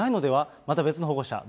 また別の保護者です。